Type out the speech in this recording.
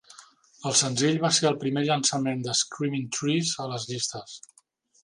El senzill va ser el primer llançament de Screaming Trees a les llistes.